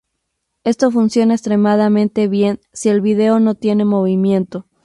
Esto funciona extremadamente bien si el video no tiene movimiento.